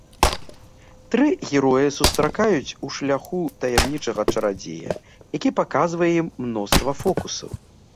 Тры героі сустракаюць у шляху таямнічага чарадзея, які паказвае ім мноства фокусаў.